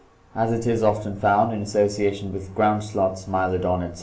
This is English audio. As it is often found in association with ground sloths (Mylodon, etc.)